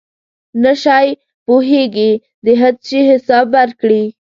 نشی پوهېږي د څه شي حساب ورکړي.